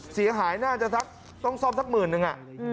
เสียหายน่าจะต้องซ่อมสักหมื่นนึง